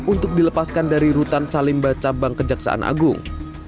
untuk dilepaskan dari rutan salim baca bank kejaksaan agung